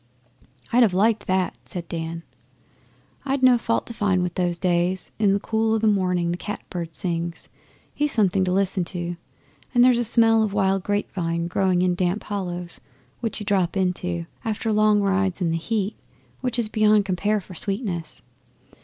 'I'd have liked that!' said Dan. 'I'd no fault to find with those days. In the cool o' the morning the cat bird sings. He's something to listen to. And there's a smell of wild grape vine growing in damp hollows which you drop into, after long rides in the heat, which is beyond compare for sweetness.